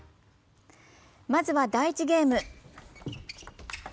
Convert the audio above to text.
まずは第１ゲーム。